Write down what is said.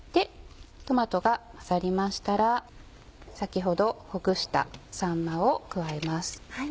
トマトが混ざりましたら先ほどほぐしたさんまを加えます。